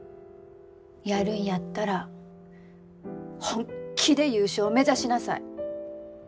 やるんやったら本気で優勝目指しなさい。